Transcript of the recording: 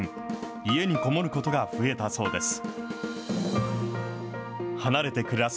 家にこもることが増えたそうです。